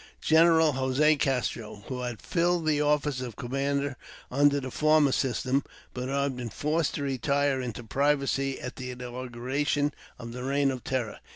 General Jose Castro, who had filled the office of commander under the former system, but who had been forced to retire into privacy at the inaugu ration of the reign of ^'terror.